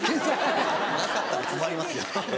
なかったら困りますよ。